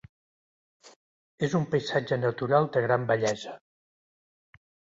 És un paisatge natural de gran bellesa.